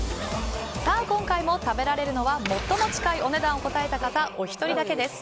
今回も食べられるのは最も近いお値段を答えた方お一人だけです。